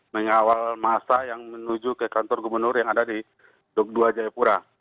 mengawal masa yang menuju ke kantor gubernur yang ada di duk dua jayapura